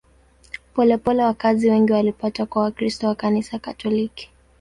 Polepole wakazi wengi walipata kuwa Wakristo wa Kanisa Katoliki.